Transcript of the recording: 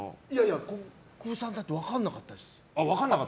国分さんだって分かんなかったです。